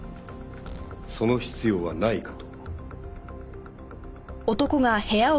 その必要はないかと。